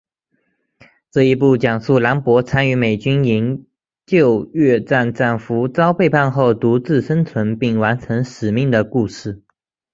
这一部讲述兰博参与美军营救越战战俘遭背叛后独自生存并完成使命的故事。